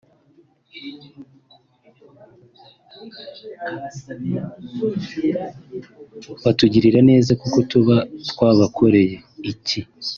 Batugirira neza kuko tuba twabakoreye iki